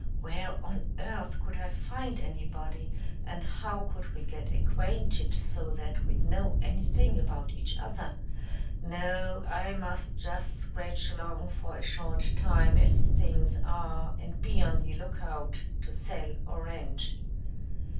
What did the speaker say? Where on earth could I find anybody, and how could we get acquainted so that we'd know anything about each other? No, I must just scratch along for a short time as things are and be on the lookout to sell or rent."